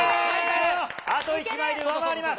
あと１枚で上回ります。